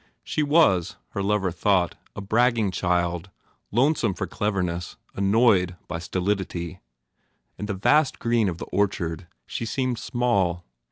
She was, her lover thought, a bragging child, lonesome for cleverness, annoyed by stolidity. In the vast green of the orchard she seemed small.